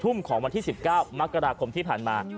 ทุ่มของวันที่๑๙มกราคมที่ผ่านมา